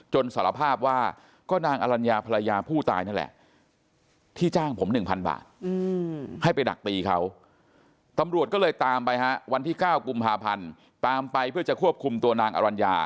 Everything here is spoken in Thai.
จนสารภาพว่าก็นางอรัญญาภรรยาผู้ตายนั่นแหละที่จ้างผมหนึ่งพันบาท